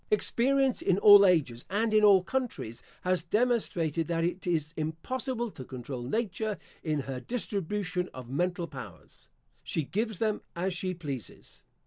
Experience, in all ages, and in all countries, has demonstrated that it is impossible to control Nature in her distribution of mental powers. She gives them as she pleases.